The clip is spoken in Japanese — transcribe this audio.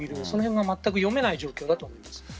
その辺は読めない状況だと思います。